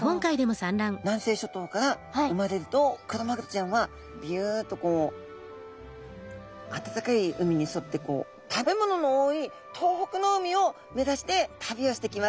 南西諸島から生まれるとクロマグロちゃんはビュっとこう暖かい海に沿ってこう食べ物の多い東北の海を目指して旅をしてきます。